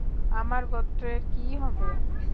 আমার গোত্রের কী হবে?